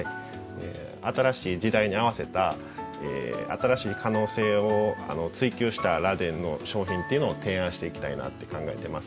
新しい時代に合わせた新しい可能性を追求した螺鈿の商品っていうのを提案していきたいなって考えてます。